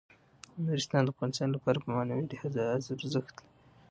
نورستان د افغانانو لپاره په معنوي لحاظ ارزښت لري.